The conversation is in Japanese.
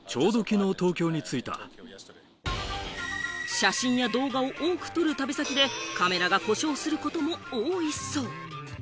写真や動画を多く撮る旅先でカメラが故障することも多いそう。